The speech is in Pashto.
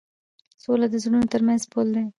سوله د زړونو تر منځ پُل دی.